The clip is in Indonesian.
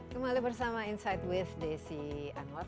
kembali bersama insight with desi anwar